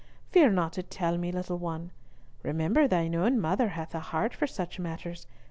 Fear not to tell me, little one. Remember thine own mother hath a heart for such matters.